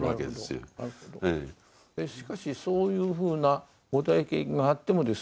しかしそういうふうなご体験があってもですね